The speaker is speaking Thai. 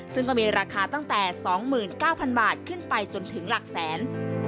ซึ่งก็มีราคาตั้งแต่๒๙๐๐บาทขึ้นไปจนถึงหลักแสน